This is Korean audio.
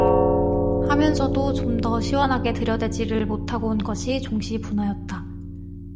하면서도 좀더 시원하게 들여대지를 못하고 온 것이 종시 분하였다.